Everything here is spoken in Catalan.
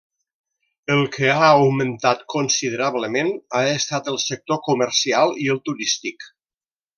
El que ha augmentat considerablement ha estat el sector comercial i el turístic.